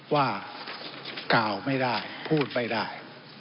ว่ากล่าวไม่ได้พูดไม่ได้